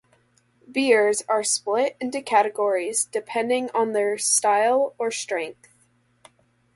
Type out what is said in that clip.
Beers are split into categories depending on their style or strength.